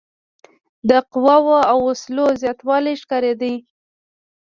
د قواوو او وسلو زیاتوالی ښکارېده.